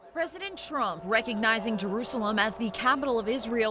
presiden trump mengakui yerusalem sebagai kapal israel